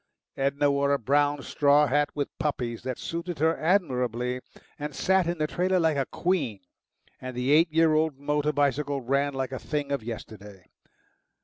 Edna wore a brown straw hat with poppies, that suited her admirably, and sat in the trailer like a queen, and the eight year old motor bicycle ran like a thing of yesterday.